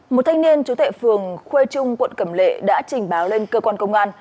một thanh niên chú tệ phường khuê trung quận cẩm lệ đã trình báo lên cơ quan công an